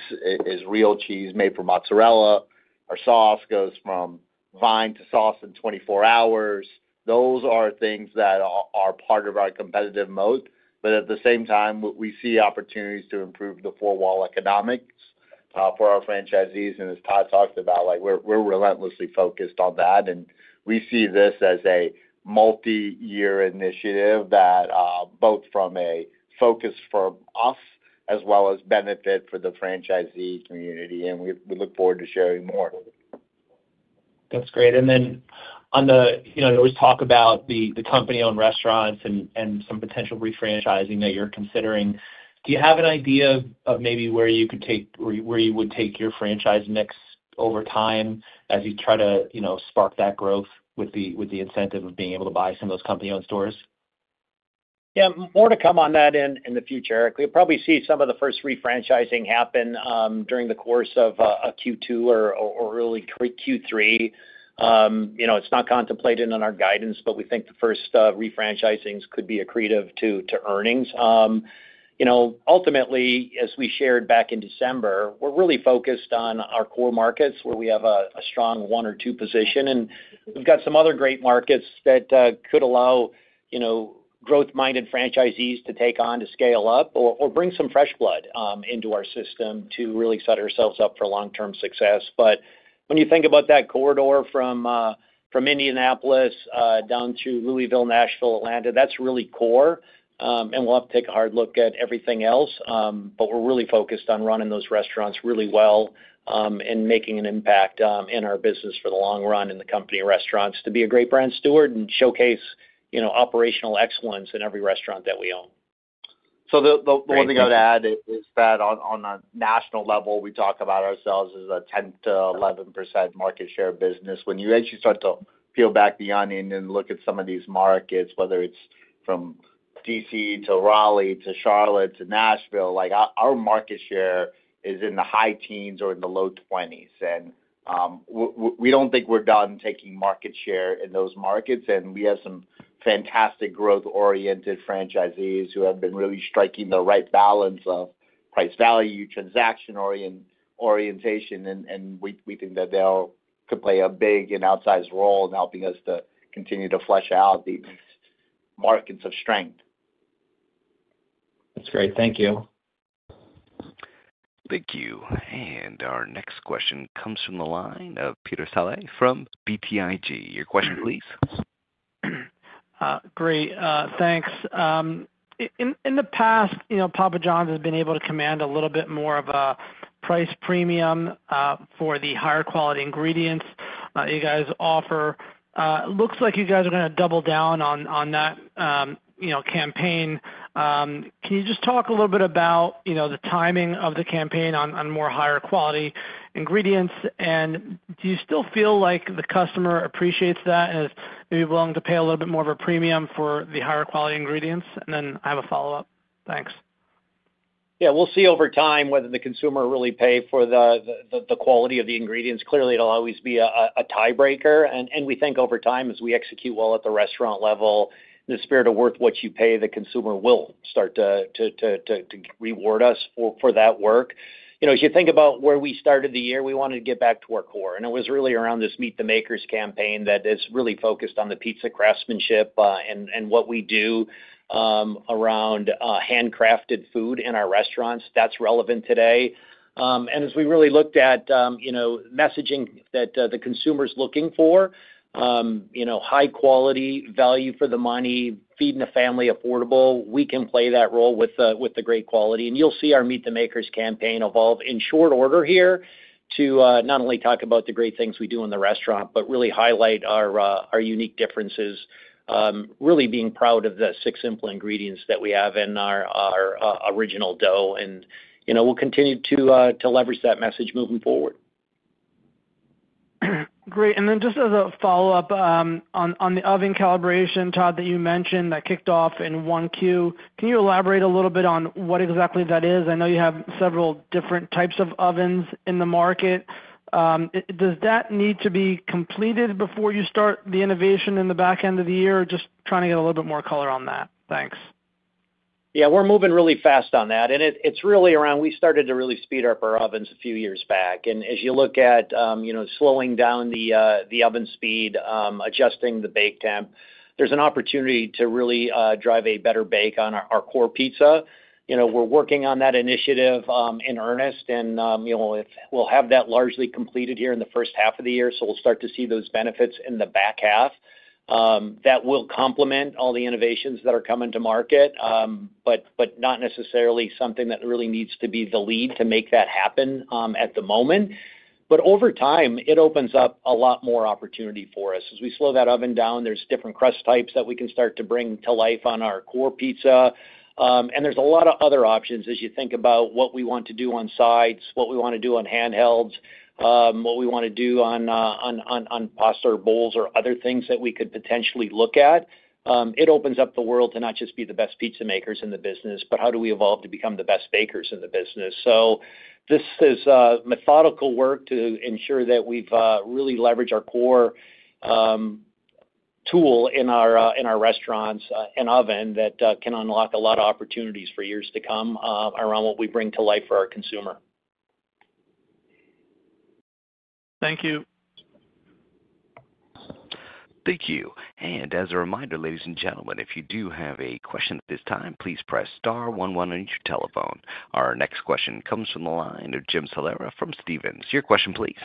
Speaker 4: is real cheese made from mozzarella. Our sauce goes from vine to sauce in 24 hours. Those are things that are part of our competitive moat. At the same time, we see opportunities to improve the four-wall economics for our franchisees. As Todd talked about, we're relentlessly focused on that. We see this as a multi-year initiative that is both a focus for us as well as a benefit for the franchisee community. We look forward to sharing more.
Speaker 7: That's great. On the always talk about the company-owned restaurants and some potential re-franchising that you're considering. Do you have an idea of maybe where you could take where you would take your franchise next over time as you try to spark that growth with the incentive of being able to buy some of those company-owned stores?
Speaker 3: Yeah. More to come on that in the future. We'll probably see some of the first re-franchising happen during the course of Q2 or early Q3. It's not contemplated in our guidance, but we think the first re-franchisings could be accretive to earnings. Ultimately, as we shared back in December, we're really focused on our core markets where we have a strong one or two position. And we've got some other great markets that could allow growth-minded franchisees to take on to scale up or bring some fresh blood into our system to really set ourselves up for long-term success. When you think about that corridor from Indianapolis down through Louisville, Nashville, Atlanta, that's really core. We'll have to take a hard look at everything else. We're really focused on running those restaurants really well and making an impact in our business for the long run and the company restaurants to be a great brand steward and showcase operational excellence in every restaurant that we own.
Speaker 4: The one thing I would add is that on a national level, we talk about ourselves as a 10%-11% market share business. When you actually start to peel back the onion and look at some of these markets, whether it's from D.C. to Raleigh to Charlotte to Nashville, our market share is in the high teens or in the low 20s. We don't think we're done taking market share in those markets. We have some fantastic growth-oriented franchisees who have been really striking the right balance of price value, transaction orientation. We think that they could play a big and outsized role in helping us to continue to flesh out these markets of strength.
Speaker 7: That's great. Thank you.
Speaker 1: Thank you. Our next question comes from the line of Peter Saleh from BTIG. Your question, please.
Speaker 8: Great. Thanks. In the past, Papa Johns has been able to command a little bit more of a price premium for the higher quality ingredients you guys offer. It looks like you guys are going to double down on that campaign. Can you just talk a little bit about the timing of the campaign on more higher quality ingredients? Do you still feel like the customer appreciates that and is maybe willing to pay a little bit more of a premium for the higher quality ingredients? I have a follow-up. Thanks.
Speaker 3: Yeah. We'll see over time whether the consumer really pays for the quality of the ingredients. Clearly, it'll always be a tiebreaker. We think over time, as we execute well at the restaurant level, in the spirit of worth what you pay, the consumer will start to reward us for that work. As you think about where we started the year, we wanted to get back to our core. It was really around this Meet the Makers campaign that is really focused on the pizza craftsmanship and what we do around handcrafted food in our restaurants. That's relevant today. As we really looked at messaging that the consumer's looking for, high quality, value for the money, feeding the family affordable, we can play that role with the great quality. You'll see our Meet the Makers campaign evolve in short order here to not only talk about the great things we do in the restaurant, but really highlight our unique differences, really being proud of the six simple ingredients that we have in our original dough. We'll continue to leverage that message moving forward.
Speaker 8: Great. Just as a follow-up on the oven calibration, Todd, you mentioned that kicked off in Q1, can you elaborate a little bit on what exactly that is? I know you have several different types of ovens in the market. Does that need to be completed before you start the innovation in the back end of the year? Just trying to get a little bit more color on that. Thanks.
Speaker 3: Yeah. We're moving really fast on that. And it's really around we started to really speed up our ovens a few years back. As you look at slowing down the oven speed, adjusting the bake temp, there's an opportunity to really drive a better bake on our core pizza. We're working on that initiative in earnest. We'll have that largely completed here in the first half of the year. We'll start to see those benefits in the back half. That will complement all the innovations that are coming to market, but not necessarily something that really needs to be the lead to make that happen at the moment. Over time, it opens up a lot more opportunity for us. As we slow that oven down, there's different crust types that we can start to bring to life on our core pizza. And there's a lot of other options as you think about what we want to do on sides, what we want to do on handhelds, what we want to do on pasta or bowls or other things that we could potentially look at. It opens up the world to not just be the best pizza makers in the business, but how do we evolve to become the best bakers in the business? This is methodical work to ensure that we've really leveraged our core tool in our restaurants, an oven that can unlock a lot of opportunities for years to come around what we bring to life for our consumer.
Speaker 8: Thank you.
Speaker 1: Thank you. As a reminder, ladies and gentlemen, if you do have a question at this time, please press star 11 on your telephone. Our next question comes from the line of Jim Salera from Stevens. Your question, please.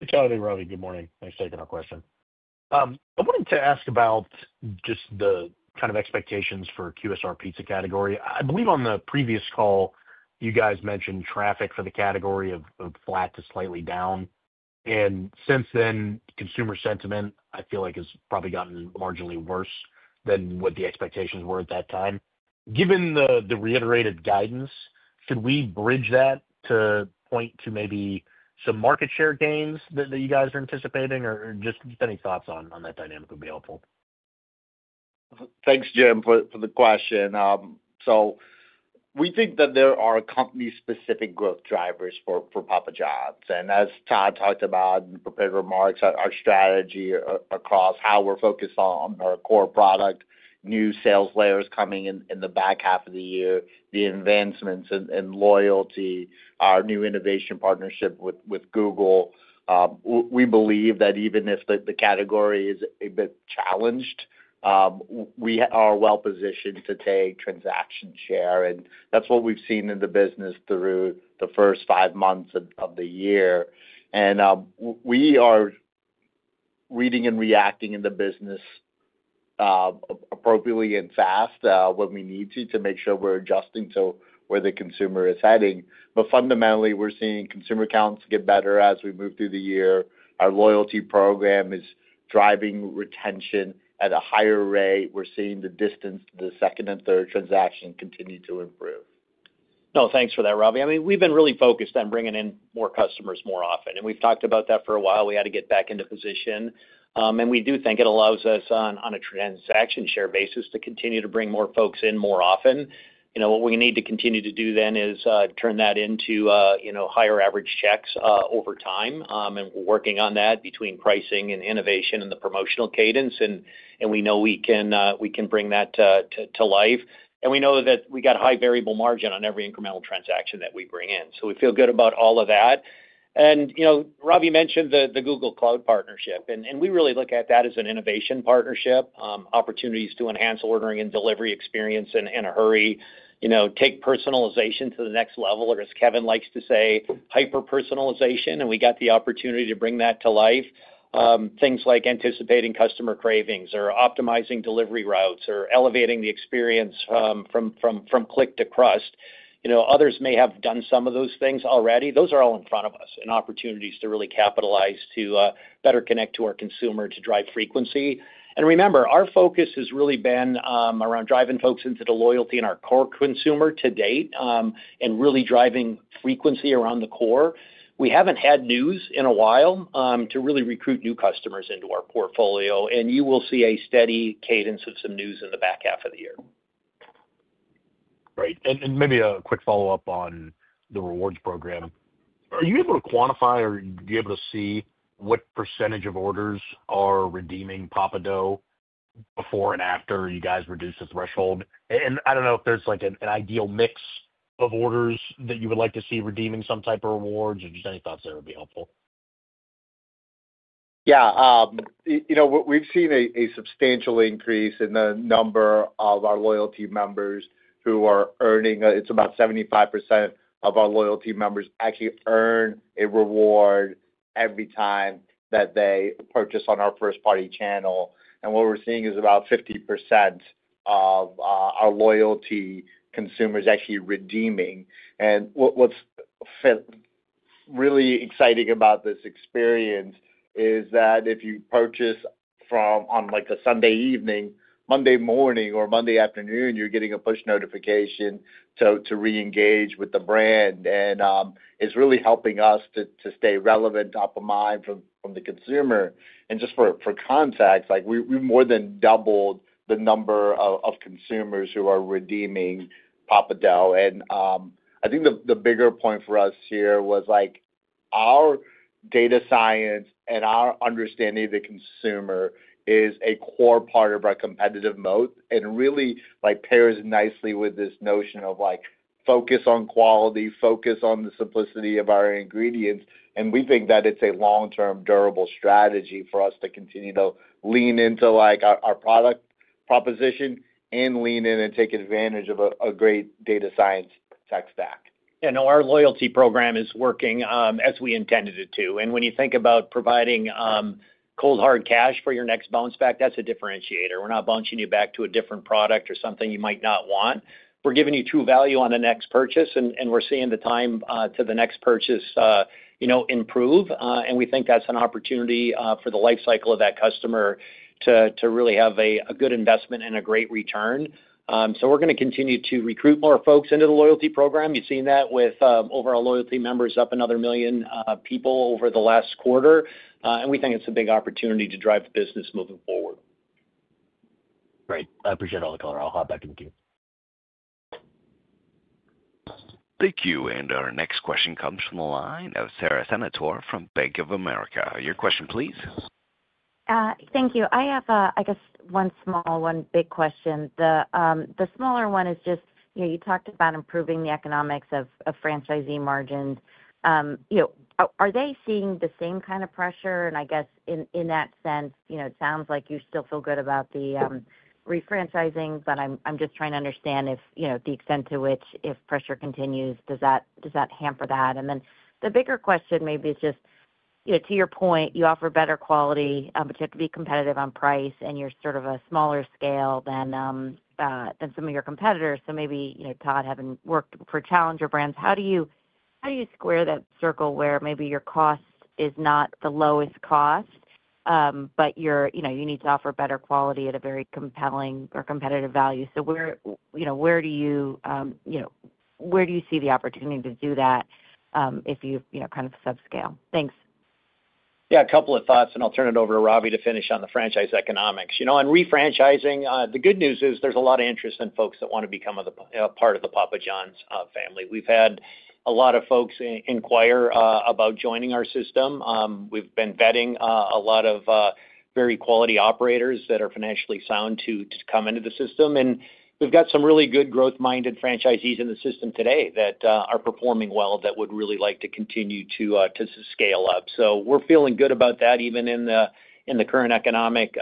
Speaker 1: Hey, Todd and Ravi. Good morning. Thanks for taking our question. I wanted to ask about just the kind of expectations for QSR pizza category. I believe on the previous call, you guys mentioned traffic for the category of flat to slightly down. And since then, consumer sentiment, I feel like, has probably gotten marginally worse than what the expectations were at that time. Given the reiterated guidance, should we bridge that to point to maybe some market share gains that you guys are anticipating? Or just any thoughts on that dynamic would be helpful. Thanks,
Speaker 4: Jim, for the question. We think that there are company-specific growth drivers for Papa Johns. As Todd talked about in prepared remarks, our strategy across how we're focused on our core product, new sales layers coming in the back half of the year, the advancements in loyalty, our new innovation partnership with Google. We believe that even if the category is a bit challenged, we are well-positioned to take transaction share. That is what we've seen in the business through the first five months of the year. We are reading and reacting in the business appropriately and fast when we need to to make sure we're adjusting to where the consumer is heading. Fundamentally, we're seeing consumer counts get better as we move through the year. Our loyalty program is driving retention at a higher rate. We're seeing the distance to the second and third transaction continue to improve.
Speaker 3: No, thanks for that, Ravi. I mean, we've been really focused on bringing in more customers more often. And we've talked about that for a while. We had to get back into position. And we do think it allows us, on a transaction share basis, to continue to bring more folks in more often. What we need to continue to do then is turn that into higher average checks over time. And we're working on that between pricing and innovation and the promotional cadence. We know we can bring that to life. We know that we got a high variable margin on every incremental transaction that we bring in. We feel good about all of that. Ravi mentioned the Google Cloud partnership. We really look at that as an innovation partnership, opportunities to enhance ordering and delivery experience in a hurry, take personalization to the next level, or as Kevin likes to say, hyper-personalization. We got the opportunity to bring that to life. Things like anticipating customer cravings or optimizing delivery routes or elevating the experience from click to crust. Others may have done some of those things already. Those are all in front of us and opportunities to really capitalize to better connect to our consumer to drive frequency. Remember, our focus has really been around driving folks into the loyalty in our core consumer to date and really driving frequency around the core. We have not had news in a while to really recruit new customers into our portfolio. You will see a steady cadence of some news in the back half of the year.
Speaker 9: Right. Maybe a quick follow-up on the rewards program. Are you able to quantify or be able to see what percentage of orders are redeeming Papa Dough before and after you guys reduce the threshold? I do not know if there is an ideal mix of orders that you would like to see redeeming some type of rewards or just any thoughts that would be helpful.
Speaker 4: Yeah. We have seen a substantial increase in the number of our loyalty members who are earning. It is about 75% of our loyalty members actually earn a reward every time that they purchase on our first-party channel. What we are seeing is about 50% of our loyalty consumers actually redeeming. What is really exciting about this experience is that if you purchase on a Sunday evening, Monday morning, or Monday afternoon, you are getting a push notification to reengage with the brand. It is really helping us to stay relevant, top of mind from the consumer. Just for context, we have more than doubled the number of consumers who are redeeming Papa Dough. I think the bigger point for us here was our data science and our understanding of the consumer is a core part of our competitive moat and really pairs nicely with this notion of focus on quality, focus on the simplicity of our ingredients. We think that it is a long-term, durable strategy for us to continue to lean into our product proposition and lean in and take advantage of a great data science tech stack.
Speaker 3: Yeah. No, our loyalty program is working as we intended it to. When you think about providing cold, hard cash for your next bounce back, that is a differentiator. We're not bouncing you back to a different product or something you might not want. We're giving you true value on the next purchase. We're seeing the time to the next purchase improve. We think that's an opportunity for the lifecycle of that customer to really have a good investment and a great return. We're going to continue to recruit more folks into the loyalty program. You've seen that with our loyalty members up another million people over the last quarter. We think it's a big opportunity to drive the business moving forward.
Speaker 9: Great. I appreciate all the color. I'll hop back in with you.
Speaker 1: Thank you. Our next question comes from the line of Sara Senatore from Bank of America. Your question, please.
Speaker 10: Thank you. I have, I guess, one small, one big question. The smaller one is just you talked about improving the economics of franchisee margins. Are they seeing the same kind of pressure? I guess in that sense, it sounds like you still feel good about the re-franchising, but I'm just trying to understand the extent to which, if pressure continues, does that hamper that? The bigger question maybe is just, to your point, you offer better quality, but you have to be competitive on price, and you're sort of a smaller scale than some of your competitors. Maybe Todd, having worked for challenger brands, how do you square that circle where maybe your cost is not the lowest cost, but you need to offer better quality at a very compelling or competitive value? Where do you see the opportunity to do that if you kind of subscale? Thanks.
Speaker 3: Yeah. A couple of thoughts, and I'll turn it over to Ravi to finish on the franchise economics. On re-franchising, the good news is there's a lot of interest in folks that want to become a part of the Papa Johns family. We've had a lot of folks inquire about joining our system. We've been vetting a lot of very quality operators that are financially sound to come into the system. We've got some really good growth-minded franchisees in the system today that are performing well that would really like to continue to scale up. We are feeling good about that, even in the current economic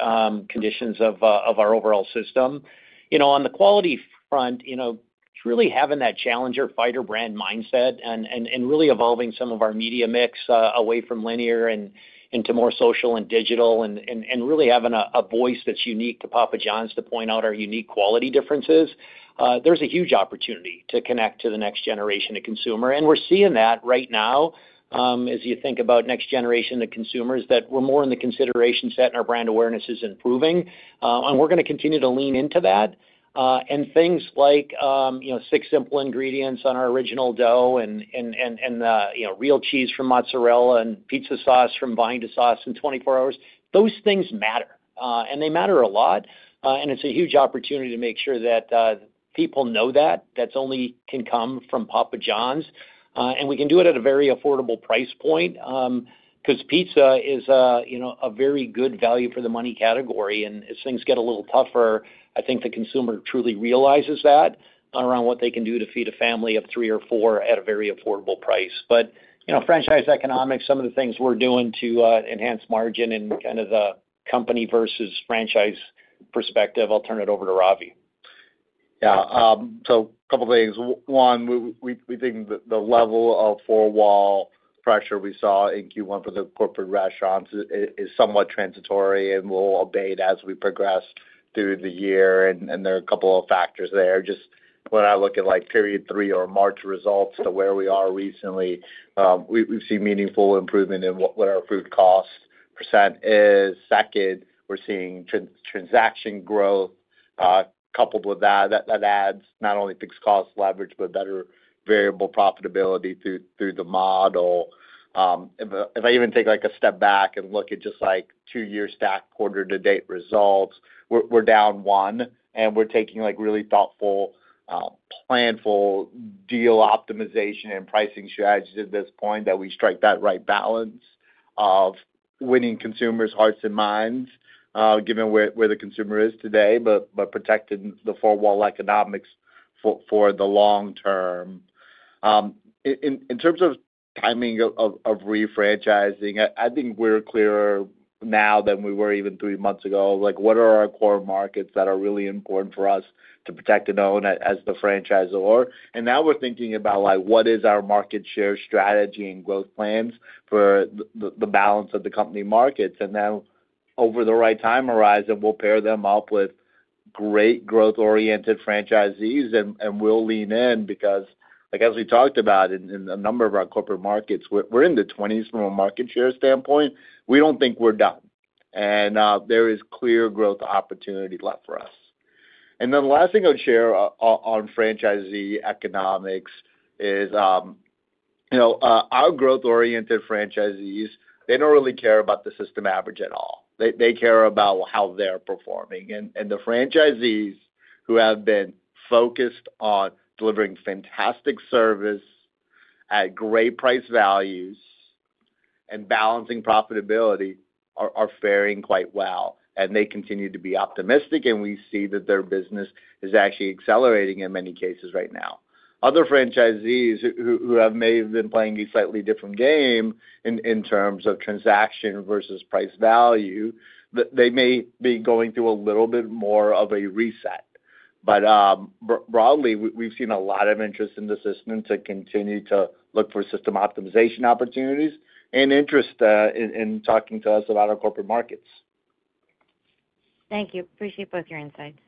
Speaker 3: conditions of our overall system. On the quality front, it's really having that Challenger Fighter Brand mindset and really evolving some of our media mix away from linear and into more social and digital and really having a voice that's unique to Papa Johns to point out our unique quality differences. There's a huge opportunity to connect to the next generation of consumer. We're seeing that right now, as you think about next generation of consumers, that we're more in the consideration set and our brand awareness is improving. We're going to continue to lean into that. Things like six simple ingredients on our Original Dough and real cheese from mozzarella and pizza sauce from vine to sauce in 24 hours, those things matter. They matter a lot. It's a huge opportunity to make sure that people know that that only can come from Papa Johns. We can do it at a very affordable price point because pizza is a very good value for the money category. As things get a little tougher, I think the consumer truly realizes that around what they can do to feed a family of three or four at a very affordable price. Franchise economics, some of the things we are doing to enhance margin and kind of the company versus franchise perspective, I will turn it over to Ravi.
Speaker 4: Yeah. A couple of things. One, we think the level of four-wall pressure we saw in Q1 for the corporate restaurants is somewhat transitory and will abate as we progress through the year. There are a couple of factors there. Just when I look at period three or March results to where we are recently, we have seen meaningful improvement in what our food cost % is. Second, we're seeing transaction growth coupled with that. That adds not only fixed cost leverage, but better variable profitability through the model. If I even take a step back and look at just two-year stack quarter-to-date results, we're down one. And we're taking really thoughtful, planful deal optimization and pricing strategies at this point that we strike that right balance of winning consumers' hearts and minds, given where the consumer is today, but protecting the four-wall economics for the long term. In terms of timing of re-franchising, I think we're clearer now than we were even three months ago. What are our core markets that are really important for us to protect and own as the franchisor? And now we're thinking about what is our market share strategy and growth plans for the balance of the company markets. Over the right time horizon, we'll pair them up with great growth-oriented franchisees, and we'll lean in because, as we talked about in a number of our corporate markets, we're in the 20s from a market share standpoint. We don't think we're done. There is clear growth opportunity left for us. The last thing I'd share on franchisee economics is our growth-oriented franchisees, they don't really care about the system average at all. They care about how they're performing. The franchisees who have been focused on delivering fantastic service at great price values and balancing profitability are faring quite well. They continue to be optimistic, and we see that their business is actually accelerating in many cases right now. Other franchisees who may have been playing a slightly different game in terms of transaction versus price value, they may be going through a little bit more of a reset. Broadly, we've seen a lot of interest in the system to continue to look for system optimization opportunities and interest in talking to us about our corporate markets.
Speaker 10: Thank you. Appreciate both your insights.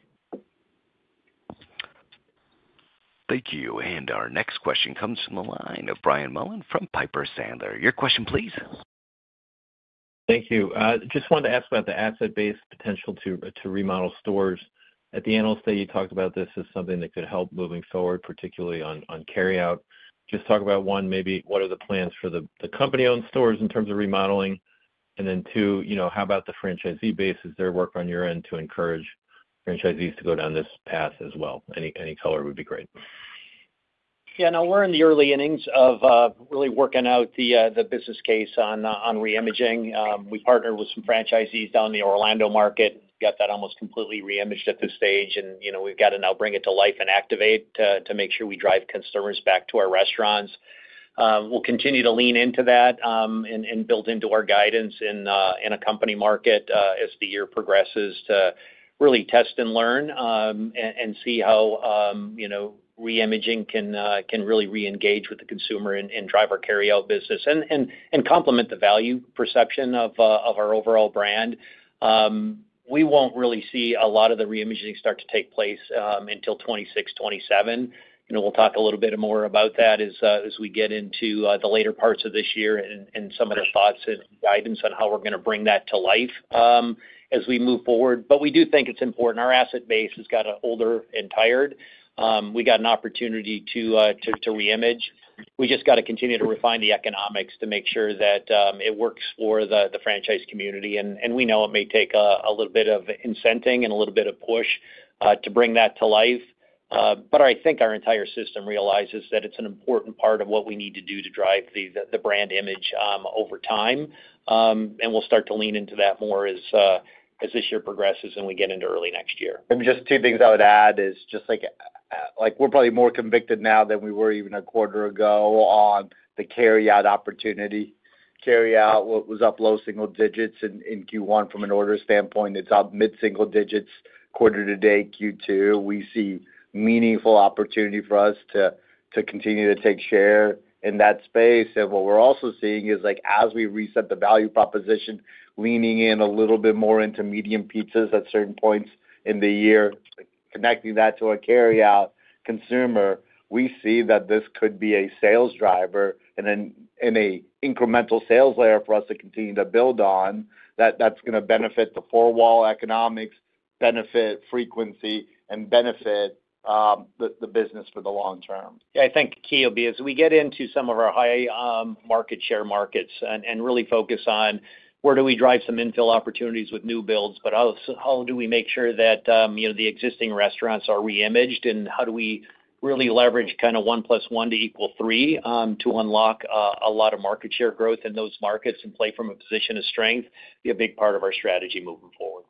Speaker 1: Thank you. Our next question comes from the line of Brian Mullan from Piper Sandler. Your question, please.
Speaker 11: Thank you. Just wanted to ask about the asset-based potential to remodel stores. At the annual state, you talked about this as something that could help moving forward, particularly on carry-out. Just talk about one, maybe what are the plans for the company-owned stores in terms of remodeling? And then two, how about the franchisee base? Is there work on your end to encourage franchisees to go down this path as well? Any color would be great.
Speaker 3: Yeah. No, we're in the early innings of really working out the business case on reimaging. We partnered with some franchisees down in the Orlando market. We've got that almost completely reimaged at this stage. We've got to now bring it to life and activate to make sure we drive consumers back to our restaurants. We'll continue to lean into that and build into our guidance in a company market as the year progresses to really test and learn and see how reimaging can really reengage with the consumer and drive our carry-out business and complement the value perception of our overall brand. We won't really see a lot of the reimaging start to take place until 2026, 2027. We'll talk a little bit more about that as we get into the later parts of this year and some of the thoughts and guidance on how we're going to bring that to life as we move forward. We do think it's important. Our asset base has gotten older and tired. We got an opportunity to reimage. We just got to continue to refine the economics to make sure that it works for the franchise community. We know it may take a little bit of incenting and a little bit of push to bring that to life. I think our entire system realizes that it's an important part of what we need to do to drive the brand image over time. We'll start to lean into that more as this year progresses and we get into early next year.
Speaker 4: Just two things I would add is just we're probably more convicted now than we were even a quarter ago on the carry-out opportunity. Carry-out was up low single digits in Q1 from an order standpoint. It's up mid-single digits, quarter-to-date Q2. We see meaningful opportunity for us to continue to take share in that space. What we're also seeing is, as we reset the value proposition, leaning in a little bit more into medium pizzas at certain points in the year, connecting that to our carry-out consumer, we see that this could be a sales driver and an incremental sales layer for us to continue to build on that's going to benefit the four-wall economics, benefit frequency, and benefit the business for the long term.
Speaker 3: Yeah. I think key will be as we get into some of our high market share markets and really focus on where do we drive some infill opportunities with new builds, but also how do we make sure that the existing restaurants are reimaged and how do we really leverage kind of one plus one to equal three to unlock a lot of market share growth in those markets and play from a position of strength, be a big part of our strategy moving forward.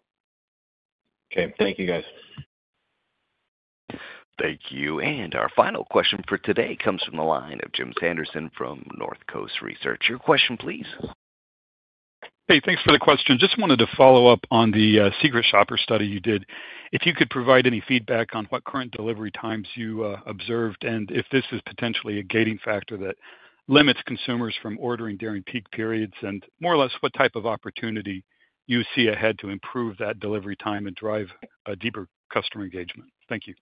Speaker 11: Okay. Thank you, guys.
Speaker 1: Thank you. Our final question for today comes from the line of Jim Sanderson from North Coast Research. Your question, please.
Speaker 12: Hey, thanks for the question. Just wanted to follow up on the secret shopper study you did. If you could provide any feedback on what current delivery times you observed and if this is potentially a gating factor that limits consumers from ordering during peak periods and more or less what type of opportunity you see ahead to improve that delivery time and drive a deeper customer engagement. Thank you.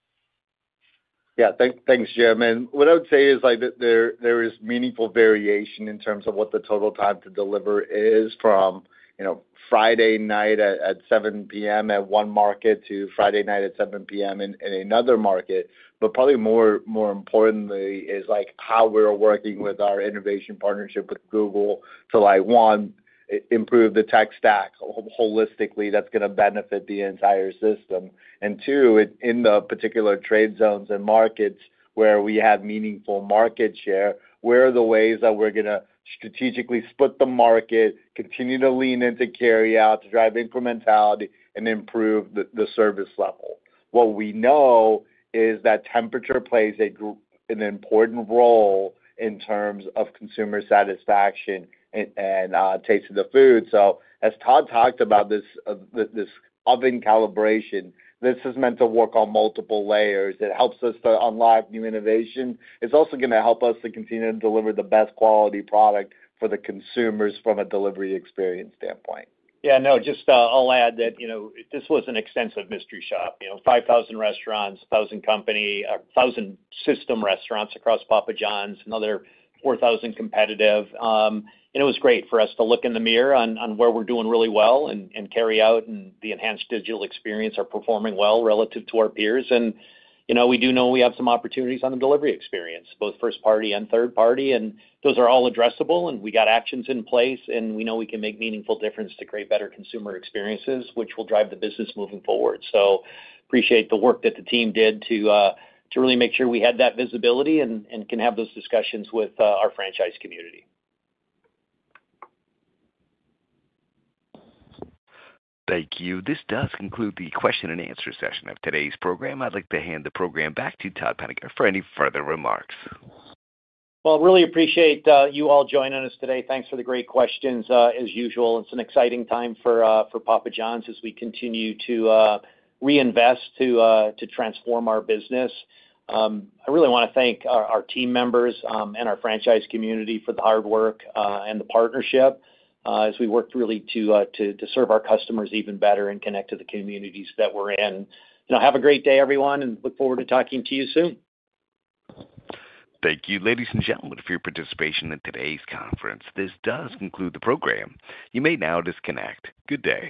Speaker 4: Yeah. Thanks, Jim. What I would say is there is meaningful variation in terms of what the total time to deliver is from Friday night at 7:00 P.M. at one market to Friday night at 7:00 P.M. in another market. Probably more importantly is how we're working with our innovation partnership with Google Cloud to, one, improve the tech stack holistically that's going to benefit the entire system. In the particular trade zones and markets where we have meaningful market share, where are the ways that we're going to strategically split the market, continue to lean into carry-out to drive incrementality and improve the service level? What we know is that temperature plays an important role in terms of consumer satisfaction and taste of the food. As Todd talked about this oven calibration, this is meant to work on multiple layers. It helps us to unlock new innovation. It's also going to help us to continue to deliver the best quality product for the consumers from a delivery experience standpoint.
Speaker 3: Yeah. No, just I'll add that this was an extensive mystery shop. 5,000 restaurants, 1,000 company, 1,000 system restaurants across Papa Johns and another 4,000 competitive. It was great for us to look in the mirror on where we're doing really well, and carryout and the enhanced digital experience are performing well relative to our peers. We do know we have some opportunities on the delivery experience, both first party and third party. Those are all addressable. We have actions in place, and we know we can make meaningful difference to create better consumer experiences, which will drive the business moving forward. I appreciate the work that the team did to really make sure we had that visibility and can have those discussions with our franchise community.
Speaker 1: Thank you. This does conclude the question and answer session of today's program. I would like to hand the program back to Todd Penegor for any further remarks.
Speaker 3: I really appreciate you all joining us today. Thanks for the great questions, as usual. It's an exciting time for Papa Johns as we continue to reinvest to transform our business. I really want to thank our team members and our franchise community for the hard work and the partnership as we worked really to serve our customers even better and connect to the communities that we're in. Have a great day, everyone, and look forward to talking to you soon.
Speaker 1: Thank you, ladies and gentlemen, for your participation in today's conference. This does conclude the program. You may now disconnect. Good day.